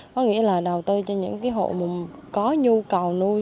có nghĩa là đầu tư cho những hộ mùng có nhu cầu nuôi